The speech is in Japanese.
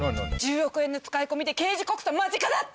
１０億円の使い込みで刑事告訴間近だって！